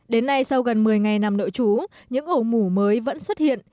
đến nay sau gần một mươi ngày nằm nội trú những ổ mũ mới vẫn xuất hiện